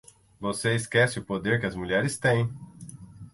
Você esquece o poder que as mulheres têm.